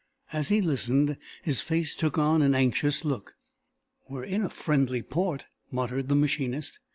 As he listened, his face took on an anxious look. "We're in a friendly port," muttered the machinist.